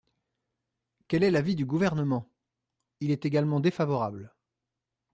Quel est l’avis du Gouvernement ? Il est également défavorable.